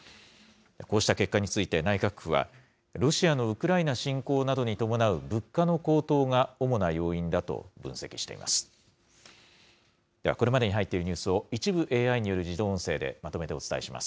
こうした結果について内閣府は、ロシアのウクライナ侵攻などに伴う物価の高騰が主な要因だと分析しています。